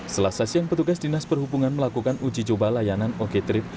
selasa siang petugas dinas perhubungan melakukan uji coba layanan oko trip